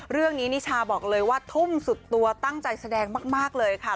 นิชาบอกเลยว่าทุ่มสุดตัวตั้งใจแสดงมากเลยค่ะ